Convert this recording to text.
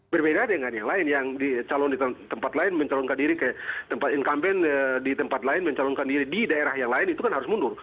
berbeda dengan yang lain yang dicalon di tempat lain mencalonkan diri ke tempat incumbent di tempat lain mencalonkan diri di daerah yang lain itu kan harus mundur